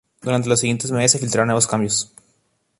Durante los siguientes meses, se filtraron nuevos cambios.